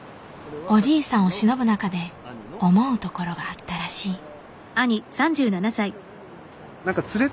おじいさんをしのぶ中で思うところがあったらしい。